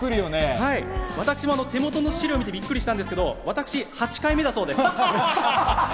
私も手元の資料を見てびっくりしたんですが、私、８回目だそうです。